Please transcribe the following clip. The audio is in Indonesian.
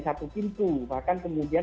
satu pintu bahkan kemudian